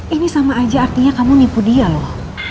ini sama aja artinya kamu nipu dia loh